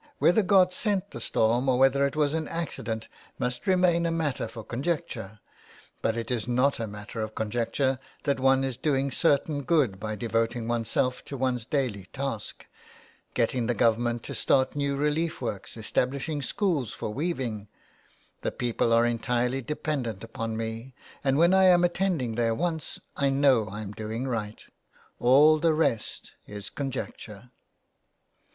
Whether God sent the storm or whether it was accident must remain a matter for conjecture, but it is not a matter of con jecture that one is doing certain good by devoting oneself to one's daily task, getting the Government to start new relief works, establishing schools for weaving — the people are entirely dependent upon me, and when I'm attending to their wants I know Pm doing right. All the rest is conjecture."